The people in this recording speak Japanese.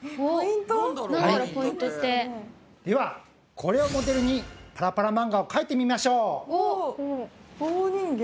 ではこれをモデルにパラパラ漫画をかいてみましょう！